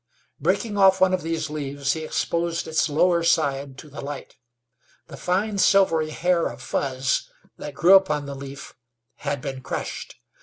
Breaking off one of these leaves, he exposed its lower side to the light. The fine, silvery hair of fuzz that grew upon the leaf had been crushed.